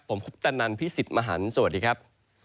ผมคุปตะนันพี่สิทธิ์มหันฯสวัสดีครับ